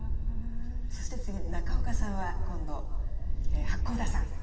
そして次中岡さんは今度八甲田山。